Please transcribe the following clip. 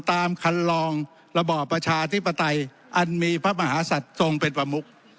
ตามคันลองระบอบประชาธิปไตยอันมีพระมหาศัตริย์ทรงเป็นประมุก